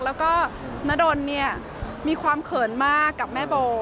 แล้วก็นดนเนี่ยมีความเขินมากกับแม่โบ